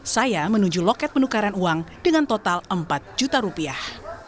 saya menuju loket penukaran uang dengan total empat juta rupiah